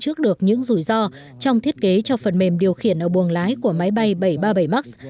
trước được những rủi ro trong thiết kế cho phần mềm điều khiển ở buồng lái của máy bay bảy trăm ba mươi bảy max